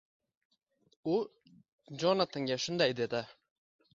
U Jonatanga shunday dedi: